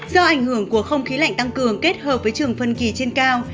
do ảnh hưởng của không khí lạnh tăng cường kết hợp với trường phân kỳ trên cao